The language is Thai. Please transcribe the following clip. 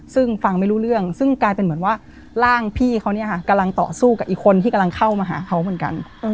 ซึ่งฟังไม่รู้เรื่องซึ่งกลายเป็นเหมือนว่าร่างพี่เขาเนี่ยค่ะกำลังต่อสู้กับอีกคนที่กำลังเข้ามาหาเขาเหมือนกัน